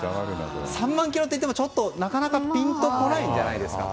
３万ｋｍといってもあまりピンと来ないんじゃないですか。